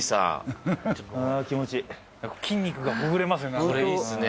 筋肉がほぐれますよね。